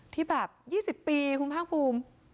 ที่แบบ๒๐ปีคุณภาคภูมิ